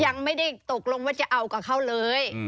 ยังไม่ได้ตกลงว่าจะเอากับเขาเลย